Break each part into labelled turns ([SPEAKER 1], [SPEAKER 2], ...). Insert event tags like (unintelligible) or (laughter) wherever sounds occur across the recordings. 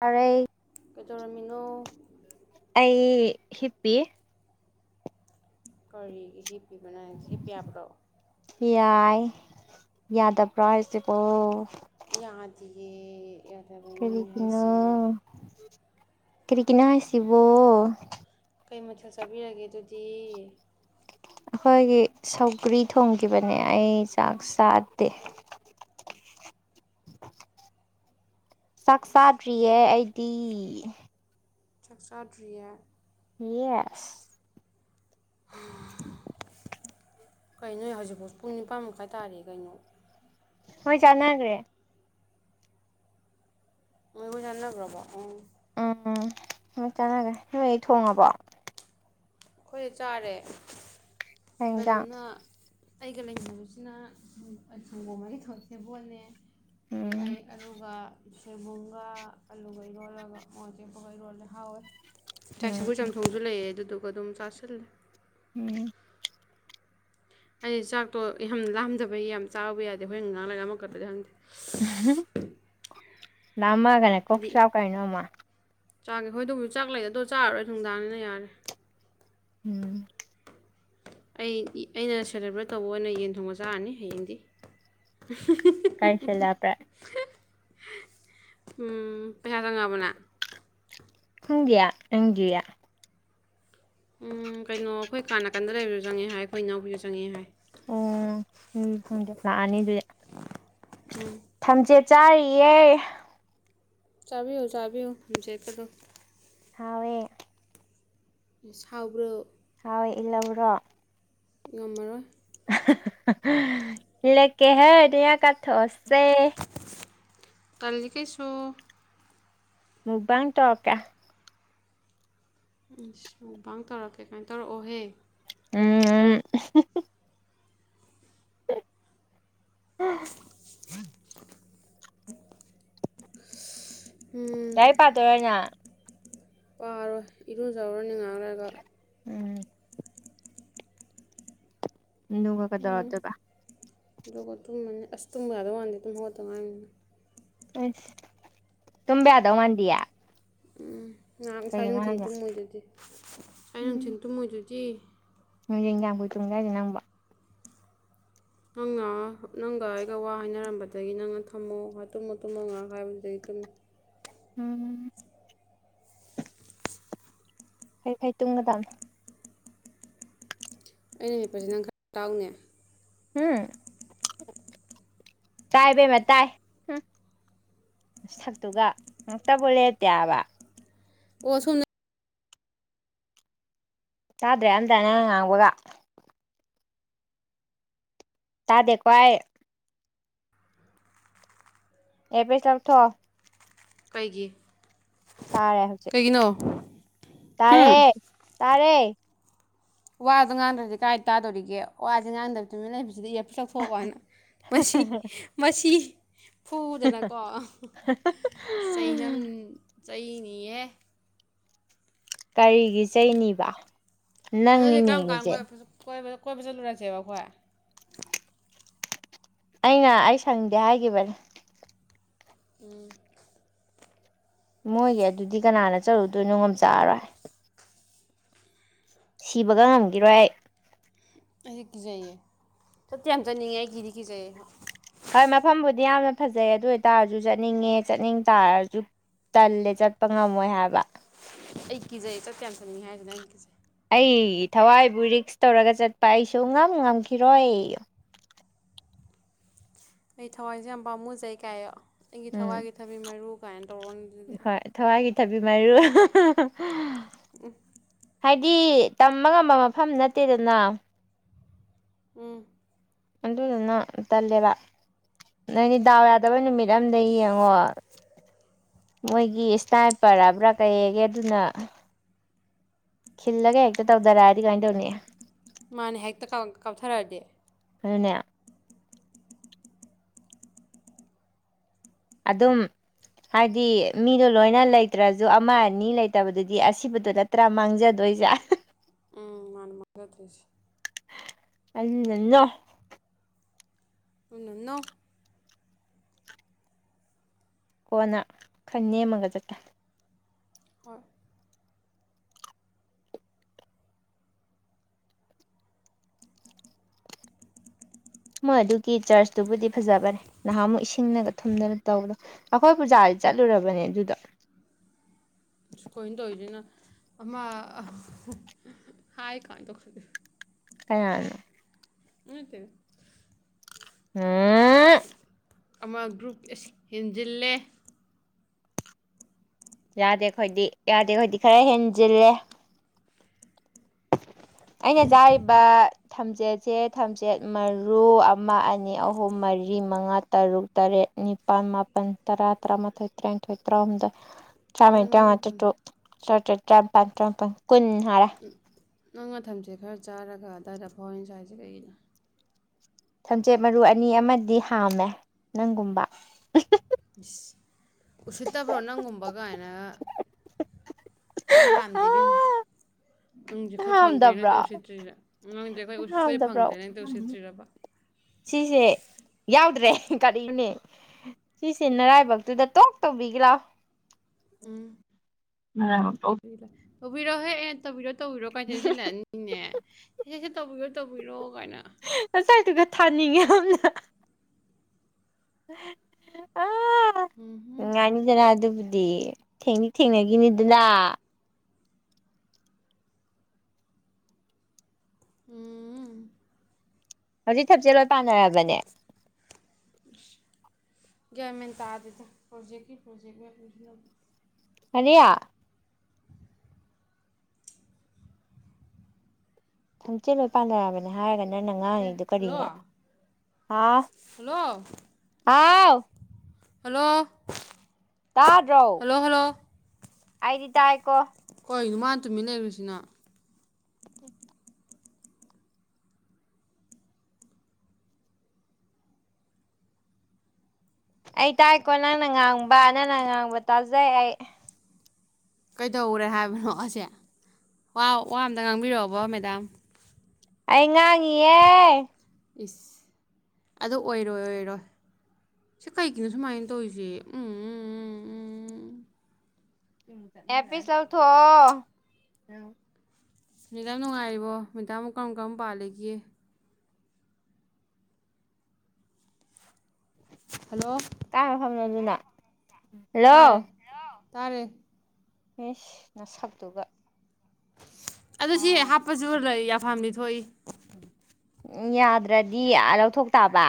[SPEAKER 1] ꯑꯔꯩ
[SPEAKER 2] ꯀꯩꯗꯧꯔꯝꯃꯤꯅꯣ
[SPEAKER 1] ꯑꯩ ꯍꯤꯞꯄꯤ
[SPEAKER 2] ꯀꯔꯤꯒꯤ ꯍꯤꯞꯄꯤꯕ ꯅꯪꯗꯤ ꯍꯤꯞꯄ ꯌꯥꯕ꯭ꯔꯣ
[SPEAKER 1] ꯌꯥꯏ ꯌꯥꯗꯕ꯭ꯔꯥ ꯍꯥꯏꯁꯤꯕꯣ
[SPEAKER 2] ꯌꯥꯗꯤꯌꯦ ꯌꯥꯗꯕꯩꯅꯦ ꯍꯥꯏꯁꯦ
[SPEAKER 1] ꯀꯔꯤꯒꯤꯅꫭ ꯍꯥꯏꯁꯤꯕꯣ
[SPEAKER 2] ꯀꯩ ꯃꯊꯦꯜ ꯆꯥꯕꯤꯔꯒꯦ ꯑꯗꯨꯗꯤ
[SPEAKER 1] ꯑꯩꯈꯣꯏꯒꯤ ꯁꯧꯒ꯭ꯔꯤ ꯊꯣꯡꯈꯤꯕꯅꯦ ꯑꯩ ꯆꯥꯛ ꯆꯥꯗꯦ ꯆꯥꯛ ꯆꯥꯗ꯭ꯔꯤꯌꯦ ꯑꯩꯗꯤ
[SPEAKER 2] ꯆꯥꯛ ꯆꯥꯗ꯭ꯔꯤꯌꯦ
[SPEAKER 1] ꯌꯦꯁ
[SPEAKER 2] ꯀꯩꯅꯣ ꯍꯧꯖꯤꯛꯐꯥꯎ ꯄꯨꯡ ꯅꯤꯄꯥꯟ ꯃꯈꯥꯏ ꯇꯥꯔꯦ ꯀꯩꯅꯣ
[SPEAKER 1] ꯃꫭꯏ ꯆꯥꯟꯅꯈ꯭ꯔꯦ
[SPEAKER 2] ꯃꯣꯏ ꯂꫭꯏ ꯆꯥꯟꯅꯈ꯭ꯔꯕꯣ ꯎꯝ
[SPEAKER 1] ꯎꯝ ꯂꫭꯏ ꯆꯥꯟꯅꯈ꯭ꯔꯦ ꯅꯣꯏꯗꯤ ꯊꯣꯡꯉꯕꯣ
[SPEAKER 2] ꯑꯩꯈꯣꯏ ꯆꯥꯔꯦ
[SPEAKER 1] ꯆꯥꯛ ꯏꯟꯖꯥꯡ
[SPEAKER 2] ꯀꯩꯅꯣꯅ ꯑꯩꯒ ꯂꯩꯃꯤꯟꯅꯕꯁꯤꯅ ꯁꯪꯒꯣꯝ ꯍꯥꯏꯒꯦ ꯇꯧꯋꯦ ꯁꯦꯕꫭꯠꯅꯦ ꯑꯩ
[SPEAKER 1] ꯎꯝ
[SPEAKER 2] ꯑꯂꯨꯒ ꯁꯣꯏꯕꯨꯝꯒ ꯑꯥꯂꯨꯒ ꯏꯔꯣꯜꯂꯒ ꯃꫭꯌꫭꯛ ꯑꯇꯦꯛꯄꯒ ꯏꯔꫭꯜꯂꯦ ꯍꯥꯎꯋꯦ ꯉꯁꯥꯏ
[SPEAKER 1] ꯎꯝ
[SPEAKER 2] ꯁꯧꯒꯔꯤ ꯆꯝꯊꯣꯡꯁꯨ ꯂꯩꯑꯦ ꯑꯗꯨꯗꯨꯒ ꯑꯗꯨꯝ ꯆꯥꯁꯤꯜꯂꯦ
[SPEAKER 1] ꯎꯝ
[SPEAKER 2] ꯑꯩꯗꯤ ꯆꯥꯛꯇꯣ ꯌꯥꯝ ꯂꯥꯝꯗꯕꯩ ꯌꯥꯝ ꯆꯥꯕ ꯌꯥꯗꯦ ꯍꫭꯔꯦꯟ ꯉꯥꯛ ꯂꯥꯝꯃꯛꯀꯗꯔꯗꯤ ꯈꯪꯗꯦ
[SPEAKER 1] ꯂꯥꯝꯃꯛꯑꯒꯅ ꯀꫭꯛ
[SPEAKER 2] ꯍꯥꯏꯗꯤ
[SPEAKER 1] ꯆꯥꯎ ꯀꯩꯅꯣ ꯑꯃꯨꯛ
[SPEAKER 2] ꯆꯥꯒꯦ ꯍꯣꯏ ꯑꯗꯨꯕꯨ ꯆꯥꯛ ꯂꯩꯌꯦ ꯑꯗꯨ ꯆꯥꯔꯔꫭꯏ ꯅꯨꯡꯗꯥꯡꯅꯤꯅ ꯌꯥꯔꯦ
[SPEAKER 1] ꯎꯝ
[SPEAKER 2] ꯑꯩ ꯑꯩꯅ ꯁꯦꯂꯦꯕ꯭ꯔꯦꯠ ꯇꯧꯕ ꯑꯣꯏꯅ ꯌꯦꯟ ꯊꯣꯡꯕ ꯆꯥꯔꯅꯤ ꯍꯌꯦꯡꯗꯤ
[SPEAKER 1] ꯀꯔꯤ ꯁꯦꯠ ꯂꯥꯛꯄ꯭ꯔꯥ
[SPEAKER 2] (unintelligible) ꯎ ꯄꯩꯁꯥ ꯆꯪꯉꯛꯑꯕꫭ ꯅꯪ
[SPEAKER 1] ꯈꯪꯗꯤꯌꯦ ꯅꯪꯗꯤ
[SPEAKER 2] ꯎꯝ ꯀꯩꯅꯣ ꯑꯩꯈꯣꯏ ꯀꯥ ꯅꯥꯀꯟꯗ ꯂꯩꯕꯗꯨ ꯆꯪꯉꯛꯑꯦ ꯍꯥꯏ ꯑꯩꯈꯣꯏ ꯏꯅꯥꯎꯄꯤꯖꯨ ꯆꯪꯉꯛꯑꯦ ꯍꯥꯏ
[SPEAKER 1] ꯑꯣ ꯎꯝ ꯈꯪꯗꯦ ꯂꯥꯛꯑꯅꯤ ꯑꯗꯨꯗꯤ ꯊꯝꯆꯦꯠ ꯆꯥꯔꯤꯌꯦ
[SPEAKER 2] ꯆꯥꯕꯤꯌꯨ ꯆꯥꯕꯤꯌꯨ‌ ꯊꯝꯆꯦꯠꯀꯗꫭ
[SPEAKER 1] ꯍꯥꯎꯋꯦ
[SPEAKER 2] ꯏꯁ ꯍꯥꯎꯕꯔꫭ
[SPEAKER 1] ꯍꯥꯎꯋꯦ ꯏꯜꯂꯛꯎꯔꫭ
[SPEAKER 2] ꯉꯝꯃꯔꯣꯏ
[SPEAKER 1] ꯏꯂꯦꯛꯀꯦꯍꯦ ꯅꯌꯥ ꯀꯊꯣꯛꯑꯣꯁꯦ
[SPEAKER 2] ꯇꯜꯂꯤ ꯀꯩꯁꯨ
[SPEAKER 1] ꯃꯨꯛꯕꯥꯡ ꯇꯧꯔꯛꯀꯦ
[SPEAKER 2] ꯏꯁ ꯃꯨꯛꯕꯥꯡ ꯇꯧꯔꯛꯀꯦ ꯀꯥꯏꯅ ꯇꯧꯔꯛꯑꯣꯍꯦ
[SPEAKER 1] ꯎꯝ ꯎꯝ (inaudible)
[SPEAKER 2] (inaudible) ꯎꯝ
[SPEAKER 1] ꯂꯥꯏꯔꯤꯛ ꯄꯥꯗꯣꯏꯔ ꯅꯪ
[SPEAKER 2] ꯄꯥꯔꯣꯏ ꯏꯔꯨꯖꯔꯨꯔꯅꯤ ꯉꯩꯍꯥꯛ ꯂꯩꯔꯒ
[SPEAKER 1] ꯎꯝ ꯑꯗꯨꯒ ꯀꯩꯗꯧꯔꯗꯣꯕ
[SPEAKER 2] ꯑꯗꯨꯒ ꯇꯨꯝꯕꯅꯤ ꯑꯁ ꯇꯨꯝꯕ ꯌꯥꯗꯧ ꯋꯥꯥꯟꯗꯦ ꯇꯨꯝ ꯍꯧꯒꯠꯇ ꯉꯥꯏꯔꯤꯕꯅꯤꯅ
[SPEAKER 1] ꯇꯨꯝꯕ ꯌꯥꯗꯧ ꯃꯥꯟꯗꯤꯌꯦ
[SPEAKER 2] ꯉꯩꯍꯥꯛ ꯉꯁꯥꯏ
[SPEAKER 1] ꯀꯩꯒꯤꯅꯣ
[SPEAKER 2] ꯅꯨꯡꯊꯤꯟ
[SPEAKER 1] ꯍꯥꯏꯁꯦ
[SPEAKER 2] ꯇꯨꯝꯃꯨꯔꯤꯗꯨꯗꯤ ꯉꯁꯥꯏ ꯅꯨꯡꯊꯤꯟ ꯇꯨꯝꯃꯨꯔꯤꯗꯨꯗꯤ
[SPEAKER 1] ꯅꯨꯡꯊꯤꯟꯕꯨ ꯀꯌꯥꯝ ꯀꯨꯏꯅ ꯍꯥꯏꯅꯣ ꯅꯪꯕꯣ
[SPEAKER 2] ꯅꯪꯅ ꯅꯪꯒ ꯑꯩꯒ ꯋꯥ ꯍꯥꯏꯅꯔꯝꯕꯗꯒꯤ ꯅꯪꯅ ꯊꯝꯃꯣ ꯇꯨꯝꯃꯣ ꯇꯨꯝꯃꯣ ꯉꯩꯍꯥꯛ ꯍꯥꯏꯕꯗꯨꯗꯒꯤ ꯇꯨꯝꯃꯤ
[SPEAKER 1] ꯎꯝ ꯐꯩ ꯐꯩ ꯇꯨꯝꯒꯗꯕꯅꯤ
[SPEAKER 2] ꯑꯩꯅ ꯂꯤꯠꯄꯁꯤ ꯅꯪ ꯈꯔ ꯇꯥꯎꯅꯦ
[SPEAKER 1] ꯎꯝ ꯇꯥꯏ ꯏꯕꯦꯝꯃ ꯇꯥꯏ ꯁꯛꯇꯨꯒ ꯉꯥꯛꯇꯕꯨ ꯂꯦꯞꯇꯦ ꯍꯥꯏꯕ
[SPEAKER 2] ꯑꯣ ꯁꯣꯝꯒꯤ
[SPEAKER 1] ꯆꯥꯗ꯭ꯔꯦ ꯑꯃꯇ ꯅꯪ ꯉꯥꯡꯕꯒ ꯇꯥꯗꯦꯀꯣ ꯑꯩ ꯑꯦꯌꯔ ꯆꯤꯁ ꯂꯧꯊꯣꯛꯑꯣ
[SPEAKER 2] ꯀꯩꯒꯤ
[SPEAKER 1] ꯇꯥꯔꯦ ꯍꯧꯖꯤꯛ
[SPEAKER 2] ꯀꯩꯒꯤꯅꯣ ꯍꯝ
[SPEAKER 1] ꯇꯥꯔꯦ ꯇꯥꯔꯦ
[SPEAKER 2] ꯋꯥꯗꯣ ꯉꯥꯡꯗ꯭ꯔꯗꯤ ꯀꯥꯏ ꯇꯥꯗꯣꯔꯤꯒꯦ ꯋꯥꯁꯦ ꯉꯥꯡꯗꯕ ꯇꯃꯤꯟ ꯂꯩꯕꯁꯤꯗꯤ ꯑꯦꯌꯔ ꯄꯤꯁ ꯂꯧꯊꯣꯛꯀꯣ ꯀꯥꯏꯅ ꯃꯁꯤ ꯃꯁꯤ ꯐꯨꯗꯅꯀꯣ ꯆꯩꯅꯝ ꯆꯩꯅꯤꯌꯦ
[SPEAKER 1] ꯀꯔꯤꯒꯤ ꯆꯩꯅꯤꯕ ꯅꯪꯅꯤꯅꯦ ꯅꯤꯔꯤꯁꯦ
[SPEAKER 2] ꯀꯣꯏꯕꯗꯣ ꯀꯣꯏꯕ ꯆꯠꯂꯨꯔꯁꯦꯕ ꯑꯩꯈꯣꯏ
[SPEAKER 1] ꯑꯩꯅ ꯑꯩ ꯁꯪꯗꯦ ꯍꯥꯏꯈꯤꯕꯅꯦ
[SPEAKER 2] ꯎꯝ
[SPEAKER 1] ꯃꯣꯏꯒꯤ ꯑꯗꯨꯗꯤ ꯀꯅꯥꯅ ꯆꯠꯂꯨꯗꯣꯏꯅꯣ ꯉꯝꯖꯔꯔꯣꯏ ꯁꯤꯕꯒ ꯉꯝꯈꯤꯔꯣꯏ ꯑꯩ
[SPEAKER 2] ꯑꯩꯗꯤ ꯀꯤꯖꯩꯌꯦ ꯆꯠꯇꯤ ꯌꯥꯝ ꯆꯠꯅꯤꯡꯉꯦ ꯑꯩ ꯀꯤꯗꯤ ꯀꯤꯖꯩꯌꯦ
[SPEAKER 1] ꯍꯣꯏ ꯃꯐꯝꯕꯨꯗꯤ ꯌꯥꯝꯅ ꯐꯖꯩ ꯑꯗꯨ ꯑꯣꯏꯇꯥꯔꯁꯨ ꯆꯠꯅꯤꯡꯉꯦ ꯆꯠꯅꯤꯡ ꯇꯥꯔꯁꯨ ꯇꯜꯂꯦ ꯆꯠꯄ ꯆꯠꯄ ꯉꯝꯃꯣꯏ ꯍꯥꯏꯕ
[SPEAKER 2] ꯑꯩ ꯀꯤꯖꯩ ꯆꯠꯇꯤ ꯌꯥꯝ ꯆꯟꯅꯤꯡꯉꯦ ꯍꯥꯏꯁꯤꯅꯦ ꯑꯩꯅ ꯀꯤꯖꯩ
[SPEAKER 1] ꯑꯩ ꯊꯋꯥꯏꯕꯨ ꯔꯤꯛꯁ ꯇꯧꯔꯒ ꯆꯠꯄ ꯑꯩꯁꯨ ꯁꯨꯉꯝ ꯉꯝꯈꯤꯔꯣꯏ
[SPEAKER 2] ꯑꯩ ꯊꯋꯥꯏꯁꯦ ꯌꯥꯝ ꯄꯥꯝꯃꯨꯖꯩ ꯀꯥꯏꯑꯣ ꯑꯩꯒꯤ
[SPEAKER 1] ꯎꯝ
[SPEAKER 2] ꯊꯋꯥꯏꯒꯤ ꯊꯕꯤ ꯃꯔꯨ ꯀꯥꯏꯅ ꯇꯧꯔ ꯑꯗꯨꯗꯤ
[SPEAKER 1] ꯍꯣꯏ ꯊꯋꯥꯏꯒꯤ ꯊꯕꯤ ꯃꯔꯨ ꯍꯥꯏꯗꯤ ꯇꯝꯕ ꯉꯝꯕ ꯃꯐꯝ ꯅꯠꯇꯦꯗꯅ
[SPEAKER 2] ꯎꯝ꯫
[SPEAKER 1] ꯑꯗꯨꯗꯨꯅ ꯇꯜꯂꯦꯕ ꯅꯪꯗꯤ ꯗꯥꯎ ꯌꯥꯗꯕ ꯅꯨꯃꯤꯠ ꯑꯝꯗ ꯌꯦꯡꯉꯣ ꯃꯣꯏꯒꯤ ꯏꯁ꯭ꯇꯥ꯭ꯔꯏꯄꯔ ꯍꯥꯏꯕ꯭ꯔꯥ ꯀꯩꯒꯦ ꯑꯗꯨꯅ ꯈꯤꯜꯂꯒ ꯍꯦꯛꯇ ꯇꯧꯗꯔꯛꯑꯗꯤ ꯀꯃꯥꯏ ꯇꯧꯅꯤ
[SPEAKER 2] ꯃꯥꯅꯦ ꯍꯦꯛꯇ ꯀꯥꯎ ꯀꯥꯎꯊꯔꯛꯑꯗꯤ
[SPEAKER 1] ꯑꯗꯨꯅꯦ ꯑꯗꯨꯝ ꯍꯥꯏꯗꯤ ꯃꯤꯗꯣ ꯂꯣꯏꯅ ꯂꯩꯇ꯭ꯔꯥꯁꯨ ꯑꯃ ꯑꯅꯤ ꯂꯩꯇꯕꯗꯨꯗꯤ ꯑꯁꯤꯕꯗꯨꯗ ꯇꯔꯥ ꯃꯥꯡꯖꯗꯣꯏꯁꯦ
[SPEAKER 2] ꯎꯝ ꯃꯥꯅꯦ ꯃꯥꯒꯗꯨꯏꯁꯦ
[SPEAKER 1] ꯑꯗꯨꯅ ꯅꯣ
[SPEAKER 2] ꯗꯨꯅ ꯅꫭ
[SPEAKER 1] ꯀꯣꯟꯅ ꯈꯔ ꯅꯦꯝꯃꯒ ꯆꯠꯀꯦ
[SPEAKER 2] ꯍꯣꯏ
[SPEAKER 1] ꯃꯣꯏ ꯑꯗꯨꯒꯤ ꯆꯔꯆꯇꯨꯕꯨꯗꯤ ꯐꯖꯕꯅꯦ ꯅꯍꯥꯃꯨꯛ ꯏꯁꯤꯡꯅꯒ ꯊꯨꯝꯗꯅ ꯇꯧꯕꯗꯣ ꯑꯩꯈꯣꯏ ꯄꯨꯖꯥꯗꯤ ꯆꯠꯂꯨꯔꯕꯅꯦ ꯑꯗꯨꯗꫭ
[SPEAKER 2] ꯁꯨ ꯀꯩꯅꫭ ꯇꯧꯔꯤꯁꯤꯅ ꯑꯃ ꯍꯥꯏ ꯀꯥꯏ ꯇꯧꯈꯠꯂꯛꯏ
[SPEAKER 1] ꯀꯅꯥꯅꯅꯣ
[SPEAKER 2] ꯅꯠꯇꯦꯗ
[SPEAKER 1] (inaudible)
[SPEAKER 2] ꯑꯃ ꯒ꯭ꯔꯨꯞ ꯑꯁ ꯍꯦꯟꯖꯤꯜꯂꯦ
[SPEAKER 1] ꯌꯥꯗꯦ ꯈꫭꯏꯗꯤ ꯌꯥꯗꯦ ꯈꯣꯏꯗꯤ ꯈꯔ ꯍꯦꯟꯖꯤꯜꯂꯦ ꯑꯩꯅ ꯆꯥꯔꯤꯕ ꯊꯝꯆꯦꯠꯁꯦ ꯊꯝꯆꯦꯠ ꯃꯔꯨ ꯑꯃ ꯑꯅꯤ ꯑꯍꯨꯝ ꯃꯔꯤ ꯃꯉꯥ ꯇꯔꯨꯛ ꯇꯔꯦꯠ ꯅꯤꯄꯥꯜ ꯃꯥꯄꯜ ꯇꯔꯥ ꯇꯔꯥꯃꯥꯊꯣꯏ ꯇꯔꯥꯅꯤꯊꯣꯏ ꯇꯔꯥꯍꯨꯝꯗꯣꯏ ꯇꯔꯥꯃꯔꯤ
[SPEAKER 2] ꯅꯪꯉꯣꯟꯗ
[SPEAKER 1] ꯇꯔꯥꯃꯉꯥ
[SPEAKER 2] ꯊꯝ
[SPEAKER 1] ꯇꯔꯥꯇꯔꯨꯛ ꯇꯔꯥꯇꯔꯦꯠ ꯇꯔꯥꯅꯤꯄꯜ ꯇꯔꯥꯃꯄꯥꯜ ꯀꯨꯟ ꯍꯥꯜꯂꯦ
[SPEAKER 2] ꯅꯪꯅ ꯊꯝꯆꯦꯠ ꯈꯔ ꯆꯥꯔꯒ ꯑꯗꯨꯋꯥꯏꯗ ꯑꯐꯥꯎ ꯑꯔꯤꯡ ꯁꯥꯏꯁꯦ ꯀꯩꯒꯤꯅꯣ
[SPEAKER 1] ꯊꯝꯆꯦꯠ ꯃꯔꯨ ꯑꯅꯤ ꯑꯃꯗꯤ ꯍꯥꯝꯃꯦ ꯅꯪꯒꯨꯝꯕ
[SPEAKER 2] ꯏꯁ ꯎꯁꯤꯠꯇꯕ꯭ꯔꯣ ꯅꯪꯒꯨꯝꯕ ꯀꯥꯏꯅꯒ ꯑꯩ ꯍꯟꯗꯦ ꯏꯕꯦꯝꯃ ꯅꯪꯗꯤ ꯑꯩꯈꯣꯏ ꯐꯪꯗ꯭ꯔꯦꯅ
[SPEAKER 1] ꯍꯥꯝꯗꯕ꯭ꯔꯣ
[SPEAKER 2] ꯍꯦꯛꯇ ꯎꯁꯤꯠꯇ꯭ꯔꯤꯔ ꯅꯪꯗꯤ ꯑꯩꯈꫭꯏ ꯎꯁꯤꯠ ꯑꯩꯈꯣꯏ
[SPEAKER 1] ꯍꯥꯝꯗꯕ꯭ꯔꯣ
[SPEAKER 2] ꯐꯪꯗ꯭ꯔꯦꯅ ꯍꯦꯛꯇ ꯎꯁꯤꯠꯇ꯭ꯔꯤꯔꯕ
[SPEAKER 1] ꯁꯤꯁꯦ ꯌꯥꯎꯗ꯭ꯔꯦ ꯀꯔꯤꯅꫭꯅꯦ ꯁꯤꯁꯦ ꯅꯔꯥꯏꯕꯛꯇꯨꯗ ꯇꯣꯛ ꯇꯧꯕꯤꯒꯦ ꯂꯥꯎ
[SPEAKER 2] ꯎꯝ ꯅꯔꯥꯏꯕꯛ ꯇꯣꯛ ꯇꯧꯕꯤꯒꯦ ꯂꯥꯎ ꯇꯧꯕꯤꯔꯣꯍꯦ ꯑꯦ ꯇꯧꯕꯤꯔꯣ ꯇꯧꯕꯤꯔꯣ ꯀꯥꯏꯇ ꯁꯤꯜꯂꯑꯅꯤ ꯏꯅꯦ ꯁꯦ ꯁꯦ ꯇꯧꯕꯤꯔꯣ ꯇꯧꯕꯤꯔꯣ ꯀꯥꯏꯅ
[SPEAKER 1] ꯅꯁꯛꯇꯨꯒ ꯊꯥꯅꯤꯡꯉꯦ ꯌꯥꯝꯅ ꯑꯥ
[SPEAKER 2] ꯎꯝꯍꯨꯝ
[SPEAKER 1] ꯅꯨꯡꯉꯥꯏꯅꯤꯗꯅ ꯑꯗꯨꯕꯨꯗꯤ ꯊꯦꯡꯗꯤ ꯊꯦꯡꯅꯈꯤꯅꯤꯗꯅ
[SPEAKER 2] ꯎꯝ꯫
[SPEAKER 1] ꯍꯧꯖꯤꯛ ꯊꯝꯆꯦꯠ ꯂꯣꯏ ꯄꯥꯟꯅꯔꯕꯅꯦ
[SPEAKER 2] ꯒꯌ꯭ꯥꯟ ꯃꯦꯟ ꯇꯥꯗꯦꯗ ꯄ꯭ꯔꯣꯖꯦꯛꯀꯤ ꯄ꯭ꯔꯣꯖꯦꯛ ꯉꯥꯛꯇ ꯁꯤꯖꯤꯟꯅꯕꯅꯦ
[SPEAKER 1] ꯀꯔꯤꯌꯥ ꯊꯝꯆꯦꯠ ꯂꯣꯏ ꯄꯥꯟꯅꯔꯕꯅꯦ ꯍꯥꯏꯔꯒ ꯅꯪꯅ
[SPEAKER 2] ꯑꯦ
[SPEAKER 1] ꯉꯥꯡꯉꯤꯗꯨ
[SPEAKER 2] ꯍꯜꯂꯣ
[SPEAKER 1] ꯀꯔꯤꯅꯣ ꯑꯥ
[SPEAKER 2] ꯍꯜꯂꯣ
[SPEAKER 1] ꯑꯥꯎ
[SPEAKER 2] ꯍꯜꯂꯣ
[SPEAKER 1] ꯇꯥꯗ꯭ꯔꯣ
[SPEAKER 2] ꯍꯜꯂꯣ ꯍꯜꯂꯣ
[SPEAKER 1] ꯑꯩꯗꯤ ꯇꯥꯏꯀꯣ
[SPEAKER 2] ꯀꯩꯅꯣ ꯃꯥꯅ ꯇꯨꯝꯃꯤꯟꯅ ꯂꯩꯒ꯭ꯔꯤꯁꯤꯅ
[SPEAKER 1] ꯑꯩ ꯇꯥꯏꯀꯣ ꯅꯪꯅ ꯉꯥꯡꯕ ꯅꯪꯅ ꯉꯥꯡꯕ ꯇꯥꯖꯩ ꯑꯩ
[SPEAKER 2] ꯀꯩꯗꯧꯔꯦ ꯍꯥꯏꯕꯅꯣ ꯑꯁꯦ ꯋꯥ ꯑꯝꯇ ꯉꯥꯡꯕꯤꯔꯛꯎꯕ ꯃꯦꯗꯥꯝ
[SPEAKER 1] ꯑꯩ ꯉꯥꯡꯉꯤꯌꯦ
[SPEAKER 2] ꯏꯁ ꯑꯗꯨ ꯑꯣꯏꯔꯣꯏ ꯑꯣꯏꯔꯣꯏ ꯁꯤ ꯀꯩꯒꯤꯅꯣ ꯁꯨꯃꯥꯏꯅ ꯇꯧꯔꯤꯁꯦ ꯎꯝ ꯎꯝ ꯎꯝ
[SPEAKER 1] ꯏꯌꯔꯄꯤꯁ ꯂꯧꯊꯣꯛꯑꯣ
[SPEAKER 2] ꯃꯦꯗꯥꯝ ꯅꯨꯡꯉꯥꯏꯔꯤꯕꯣ ꯃꯦꯗꯥꯝꯕꯨ ꯀꯔꯝ ꯀꯔꯝ ꯄꯥꯜꯂꯤꯒꯦ ꯍꯜꯂꯣ
[SPEAKER 1] ꯀꯥꯏ ꯃꯐꯝꯅꯣ ꯑꯗꯨꯅ ꯍꯜꯂꯣ
[SPEAKER 2] ꯇꯥꯔꯦ ꯇꯥꯔꯦ
[SPEAKER 1] ꯏꯁ ꯅꯁꯛꯇꯨꯒ
[SPEAKER 2] ꯑꯗꯨ ꯁꯤ ꯍꯥꯞꯄꯁꯨ ꯂꯩ ꯌꯥꯐꯝꯗꯤ ꯊꯣꯛꯏ
[SPEAKER 1] ꯎꯝ ꯌꯥꯗ꯭ꯔꯗꯤ ꯂꯧꯊꯣꯛ ꯇꯥꯕ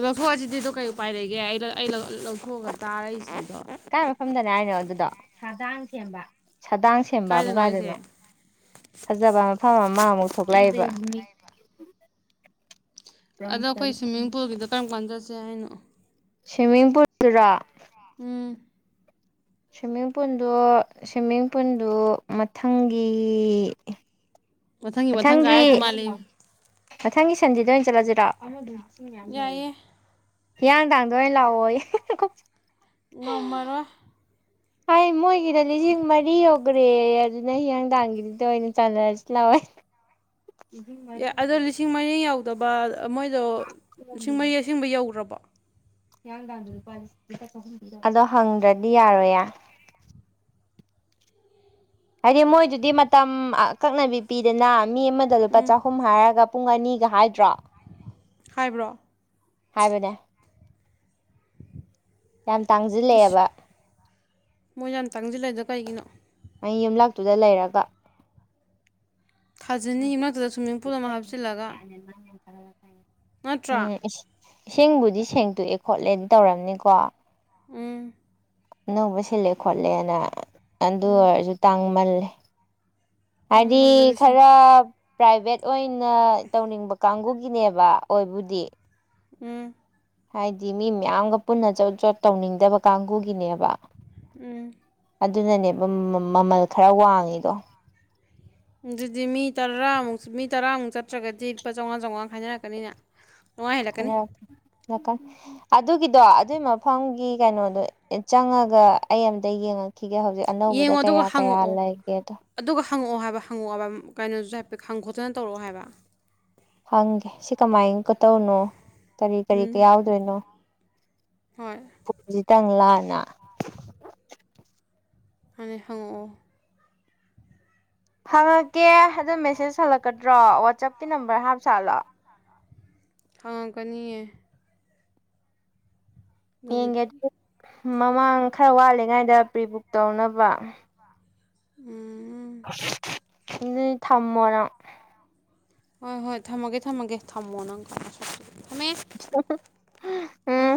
[SPEAKER 2] ꯂꯧꯊꯣꯛ ꯑꯁꯤꯗꯤ ꯑꯗꯣ ꯀꯩ ꯎꯄꯥꯏ ꯂꯩꯒꯦ ꯑꯩꯩ ꯑꯩ ꯂꯧꯊꯣꯛꯑꯒ ꯇꯥꯔꯛꯏꯁꯤꯗꯤ ꯑꯗꯣ
[SPEAKER 1] ꯀꯥꯏ ꯃꯐꯝꯗꯅꯦ ꯍꯥꯏꯅꯣ ꯑꯗꯨꯗꯣ ꯁꯥꯗꯥꯡ ꯁꯦꯝꯕ ꯁꯥꯗꯥꯡ ꯁꯦꯝꯕꯕꯨ ꯀꯥꯏꯗꯅꯣ ꯐꯖꯕ ꯃꯐꯝ ꯑꯃ ꯑꯃꯨꯛ ꯊꯣꯛꯂꯛꯏꯕ
[SPEAKER 2] ꯑꯗꯣ ꯑꯩꯈꯣꯏ ꯁ꯭ꯋꯤꯃꯤꯡ ꯄꯨꯜꯒꯤꯗꯣ ꯀꯔꯝ ꯀꯥꯟ ꯆꯠꯁꯦ ꯍꯥꯏꯅꯣ
[SPEAKER 1] ꯁ꯭ꯋꯤꯃꯤꯡ ꯄꯨꯟꯗꯨꯔꯣ
[SPEAKER 2] ꯎꯝ
[SPEAKER 1] ꯁ꯭ꯋꯤꯃꯤꯡ ꯄꯨꯟꯗꯣ ꯁ꯭ꯋꯤꯃꯤꯡ ꯄꯨꯟꯗꯨ ꯃꯊꯪꯒꯤ
[SPEAKER 2] ꯃꯊꯪ
[SPEAKER 1] ꯃꯊꯪꯒꯤ
[SPEAKER 2] ꯀꯥꯔꯛꯇꯧ ꯃꯥꯜꯂꯤ
[SPEAKER 1] ꯃꯊꯪꯒꯤ ꯁꯟꯗꯦꯗ ꯑꯣꯏꯅ ꯆꯠꯂꯁꯤꯔꯣ
[SPEAKER 2] ꯌꯥꯏꯌꯦ
[SPEAKER 1] ꯍꯤꯌꯥꯡ ꯊꯥꯡꯗ ꯑꯣꯏꯅ ꯂꯥꯛꯑꯣꯌꯦ
[SPEAKER 2] ꯉꯝꯃꯔꯣꯏ
[SPEAKER 1] ꯍꯩ ꯃꯣꯏꯒꯤꯗꯗꯤ ꯂꯤꯁꯤꯡ ꯃꯔꯤ ꯌꯧ ꯒ꯭ꯔꯦꯌꯦ ꯑꯗꯨꯅ ꯍꯤꯌꯥꯡꯗꯥꯡꯒꯤꯗꯨꯗ ꯑꯣꯏꯅ ꯆꯠꯔꯁꯤ ꯂꯥꯎꯌꯦ
[SPEAKER 2] ꯑꯦ ꯑꯗꯣ ꯂꯤꯁꯤꯡ ꯃꯔꯤ ꯌꯧꯗꯕ ꯃꯣꯏꯗꯣ ꯂꯤꯁꯤꯡ ꯃꯔꯤ ꯑꯁꯦꯡꯕ ꯌꯧꯗ꯭ꯔꯕꯣ
[SPEAKER 1] ꯑꯗꯣ ꯍꯪꯗ꯭ꯔꯗꯤ ꯌꯥꯔꯣꯏꯌꯦ ꯍꯥꯏꯗꯤ ꯃꯣꯏꯗꯨꯗꯤ ꯃꯇꯝ ꯑꯀꯛꯅꯕꯤ ꯄꯤꯗꯅ ꯃꯤ ꯑꯃꯗ ꯂꯨꯄꯥ
[SPEAKER 2] ꯎꯝ
[SPEAKER 1] ꯆꯍꯨꯝ ꯍꯥꯏꯔꯒ ꯄꯨꯡ ꯑꯅꯤꯒ ꯍꯥꯏꯗ꯭ꯔꯣ
[SPEAKER 2] ꯍꯥꯏꯕ꯭ꯔꯣ
[SPEAKER 1] ꯍꯥꯏꯕꯅꯦ ꯌꯥꯝ ꯇꯥꯡꯁꯤꯜꯂꯛꯑꯦꯕ
[SPEAKER 2] ꯃꯣꯏꯅ ꯌꯥꯝ ꯇꯥꯡꯁꯤꯜꯂꯛꯏꯗꯣ ꯀꯩꯒꯤꯅꯣ
[SPEAKER 1] (inaudible) ꯌꯨꯝꯂꯛꯇꯨꯗ ꯂꯩꯔꯒ
[SPEAKER 2] ꯐꯖꯅꯤ ꯌꯨꯝꯂꯛꯇꯨꯗ ꯁ꯭ꯋꯤꯃꯤꯡ ꯄꯨꯜ ꯑꯃ ꯍꯥꯞꯆꯤꯜꯂꯒ
[SPEAKER 1] (unintelligible) ꯎꯝ
[SPEAKER 2] ꯅꯠꯇ꯭ꯔꯥ
[SPEAKER 1] ꯏꯁꯤꯡꯕꯨꯗꯤ ꯁꯦꯡꯇꯣꯛꯑꯦ ꯈꯣꯠꯂꯦꯅ ꯇꯧꯔꯝꯅꯤꯀꯣ
[SPEAKER 2] ꯎꯝ
[SPEAKER 1] ꯑꯅꯧꯕ ꯁꯤꯜꯂꯦ ꯈꯣꯠꯂꯦꯅ ꯑꯗꯨ
[SPEAKER 2] ꯎꯝ
[SPEAKER 1] ꯑꯣꯏꯔꯁꯨ ꯇꯥꯡꯃꯜꯂꯦ ꯍꯥꯏꯗꯤ
[SPEAKER 2] ꯇꯥꯡꯃꯜꯂꯦ ꯂꯤꯁꯤꯡ
[SPEAKER 1] ꯈꯔ ꯄ꯭ꯔꯥꯏꯚꯦꯠ ꯑꯣꯏꯅ ꯇꯧꯅꯤꯡꯕ ꯀꯥꯡꯕꯨꯒꯤꯅꯦꯕ ꯑꯣꯏꯕꯨꯗꯤ
[SPEAKER 2] ꯎꯝ
[SPEAKER 1] ꯍꯥꯏꯗꯤ ꯃꯤ ꯃꯌꯥꯝꯒ ꯄꯨꯟꯅ ꯖꯣꯠ ꯖꯣꯠ ꯇꯧꯅꯤꯡꯗꯕ ꯀꯥꯡꯕꯨꯒꯤꯅꯦꯕ
[SPEAKER 2] ꯎꯝ
[SPEAKER 1] ꯑꯗꯨꯅꯅꯦꯕ ꯃꯃꯜ ꯈꯔ ꯋꯥꯡꯉꯤꯗꯣ
[SPEAKER 2] ꯑꯗꯨꯗꯤ ꯃꯤ ꯇꯔꯥꯃꯨꯛ ꯃꯤ ꯇꯔꯥꯃꯨꯛ ꯆꯠꯇ꯭ꯔꯒꯗꯤ ꯂꯨꯄꯥ ꯆꯧꯉꯥ ꯆꯧꯉꯒ ꯈꯥꯏꯅꯔꯛꯀꯅꯤꯅꯦ ꯆꯥꯝꯃꯉꯥ ꯍꯦꯜꯂꯛꯀꯅꯤ
[SPEAKER 1] ꯍꯜꯂꯛ ꯑꯗꯝ ꯉꯥꯇꯪ ꯑꯗꯨꯒꯤꯗꯣ ꯑꯗꯨꯒꯤ ꯃꯐꯝꯒꯤ ꯀꯩꯅꯣꯗꯣ ꯆꯪꯉꯒ ꯑꯩ ꯑꯝꯇ ꯌꯦꯡꯉꯦ ꯈꯤꯒꯦ ꯍꯧꯖꯤꯛ ꯑꯅꯧꯕꯗ
[SPEAKER 2] ꯌꯦꯡꯉꯣ ꯑꯗꯨꯒ
[SPEAKER 1] ꯀꯌꯥ ꯀꯌꯥ
[SPEAKER 2] ꯍꯪꯉꯛꯑꯣ
[SPEAKER 1] ꯂꯩꯒꯦꯗ
[SPEAKER 2] ꯑꯗꯨꯒ ꯍꯪꯉꯛꯑꯣ ꯍꯥꯏꯕ ꯍꯪꯉꯛꯑꯣ ꯍꯥꯏꯕ ꯀꯩꯅꯣꯁꯨ ꯍꯥꯏꯐꯦꯠ ꯈꯪ ꯈꯣꯠꯇꯅ ꯇꯧꯔꯛꯑꯣ ꯍꯥꯏꯕ
[SPEAKER 1] ꯍꯪꯒꯦ ꯁꯤ ꯀꯃꯥꯏ ꯀꯇꯧꯅꯣ ꯀꯔꯤ ꯀꯔꯤ ꯀ
[SPEAKER 2] ꯎꯝ
[SPEAKER 1] ꯌꯥꯎꯗꯣꯏꯅꯣ
[SPEAKER 2] ꯍꯣꯏ
[SPEAKER 1] ꯐꯣꯟꯁꯤ ꯇꯪꯂꯥ ꯅꯥ
[SPEAKER 2] ꯍꯣꯏꯅꯦ ꯍꯪꯉꯛꯑꯣ
[SPEAKER 1] ꯍꯪꯉꯛꯀꯦ ꯑꯗꯨꯗꯣ ꯃꯦꯁꯦꯁ ꯍꯜꯂꯛꯀꯗ꯭ꯔꯣ ꯋꯥꯆꯞꯀꯤ ꯅꯝꯕꯔ ꯍꯥꯞ ꯁꯥꯥꯠꯂꯣ
[SPEAKER 2] ꯍꯪꯉꯛꯀꯅꯤꯌꯦ
[SPEAKER 1] ꯌꯦꯡꯒꯦ
[SPEAKER 2] ꯑꯗꯨꯕꯨꯗꯤ
[SPEAKER 1] ꯑꯗꯨ ꯃꯃꯥꯡ ꯈꯔ ꯋꯥꯠꯂꯤꯉꯥꯏꯗ ꯄ꯭ꯔꯤ ꯕꯨꯛ ꯇꯧꯅꯕ
[SPEAKER 2] ꯋꯥ
[SPEAKER 1] ꯑꯁ ꯑꯗꯨꯗꯤ ꯊꯝꯃꯣ ꯅꯪ
[SPEAKER 2] ꯍꯣꯏ ꯍꯣꯏ ꯊꯝꯃꯒꯦ ꯊꯝꯃꯒꯦ ꯊꯝꯃꯣ ꯅꯪ ꯀꯥꯏ ꯅꯁꯛꯇꯨꯒ ꯊꯝꯃꯦ
[SPEAKER 1] ꯑ (unintelligible)
[SPEAKER 2] ꯎꯝ